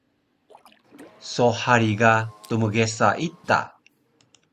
So hari ga tmgesa ita